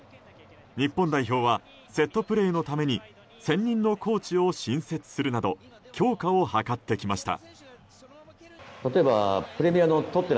日本代表はセットプレーのために専任のコーチを新設するなど強化を図ってきました。